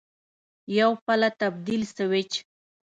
یو پله تبدیل سویچ